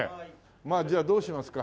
まあじゃあどうしますか？